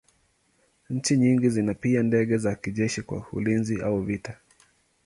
Nchi nyingi zina pia ndege za kijeshi kwa ulinzi au vita.